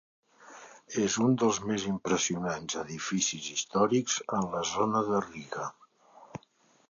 És un dels més impressionants edificis històrics en la zona de Riga.